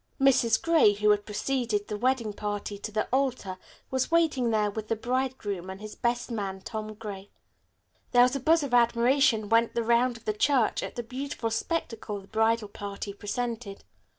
Mrs. Gray, who had preceded the wedding party to the altar, was waiting there with the bridegroom and his best man, Tom Gray. There was a buzz of admiration went the round of the church at the beautiful spectacle the bridal party presented.